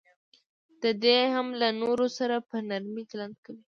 دی دې هم له نورو سره په نرمي چلند کوي.